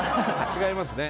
違いますね。